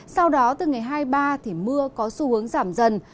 sau đó từ ngày hai mươi ba thì mưa có xu hướng giảm dần